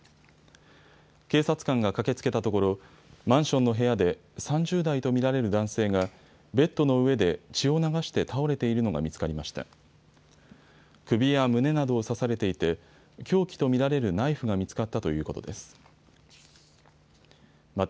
警察官が駆けつけたところマンションの部屋で３０代と見られる男性がベッドの上で血を流して倒れているのが見つかりました。